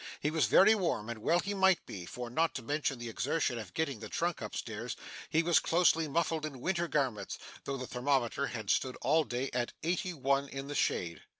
He was very warm, and well he might be; for, not to mention the exertion of getting the trunk up stairs, he was closely muffled in winter garments, though the thermometer had stood all day at eighty one in the shade.